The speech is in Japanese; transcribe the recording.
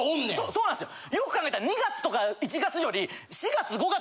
そうなんすよ！